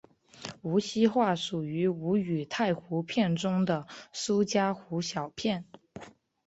无锡话属于吴语太湖片中的苏嘉湖小片。